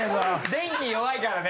電気弱いからね。